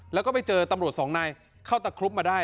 แล้วก็ไปเจอตำรวจสองนายเข้าตะครุบมาได้